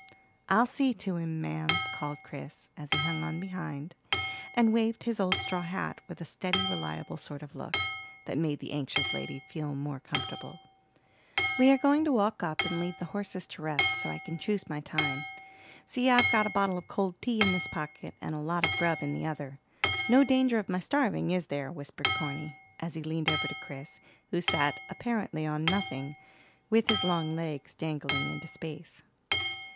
"I'll see to him, ma'am," called Chris, as he hung on behind, and waved his old straw hat, with a steady, reliable sort of look, that made the anxious lady feel more comfortable. "We are going to walk up, and leave the horses to rest; so I can choose my time. See, I've got a bottle of cold tea in this pocket, and a lot of grub in the other. No danger of my starving, is there?" whispered Corny, as he leaned over to Chris, who sat, apparently, on nothing, with his long legs dangling into space.